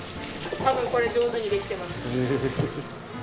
たぶんこれ上手にできてます。